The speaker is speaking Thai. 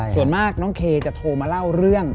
ส่วนมากน้องเคจะโทรมาเล่าเรื่อง